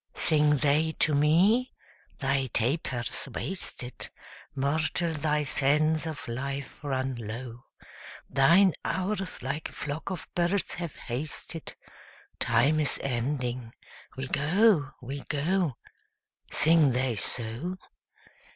Sing they to me? 'Thy taper's wasted; Mortal, thy sands of life run low; Thine hours like a flock of birds have hasted: Time is ending; we go, we go.' Sing they so?